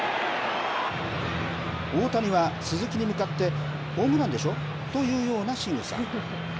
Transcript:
大谷は鈴木に向かって、ホームランでしょ？というようなしぐさ。